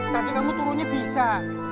tadi kamu turunnya bisa